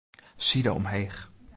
Side omheech.